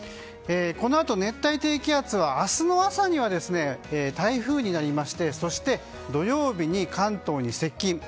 このあと、熱帯低気圧は明日の朝には台風になりましてそして土曜日に関東に接近。